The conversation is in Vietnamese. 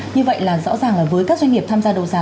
như vậy là rõ ràng là với các doanh nghiệp tham gia đấu giá